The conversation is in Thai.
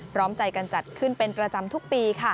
พร้อมใจกันจัดขึ้นเป็นประจำทุกปี